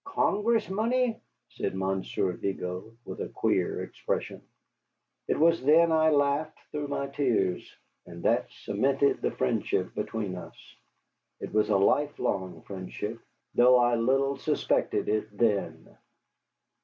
"Congress money?" said Monsieur Vigo, with a queer expression. It was then I laughed through my tears, and that cemented the friendship between us. It was a lifelong friendship, though I little suspected it then.